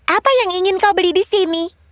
apa yang ingin kau beli di sini